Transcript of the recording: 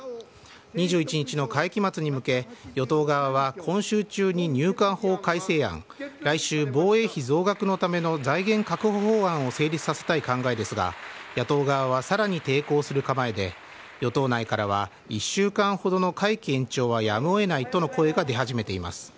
２１日の会期末に向けて与党側は今週中に入管法改正案来週、防衛費増額のための財源確保法案を成立させたい考えですが野党側はさらに抵抗する構えで与党内からは１週間ほどの会期延長はやむを得ないとの声が出始めています。